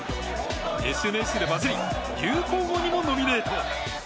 ＳＮＳでバズり流行語にもノミネート。